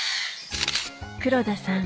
黒田さん